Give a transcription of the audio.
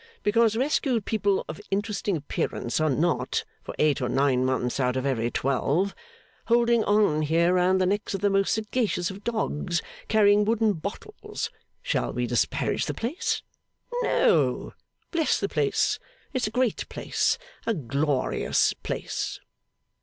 Because rescued people of interesting appearance are not, for eight or nine months out of every twelve, holding on here round the necks of the most sagacious of dogs carrying wooden bottles, shall we disparage the place? No! Bless the place. It's a great place, a glorious place!